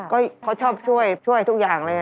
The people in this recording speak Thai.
ก็เขาชอบช่วยช่วยทุกอย่างเลย